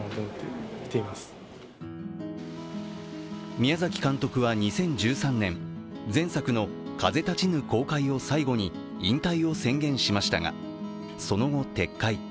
宮崎監督は２０１３年、前作の「風立ちぬ」公開を最後に引退を宣言しましたが、その後、撤回。